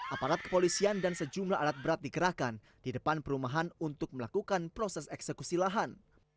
aparat kepolisian dan sejumlah alat berat dikerahkan di depan perumahan untuk melakukan proses eksekusi lahan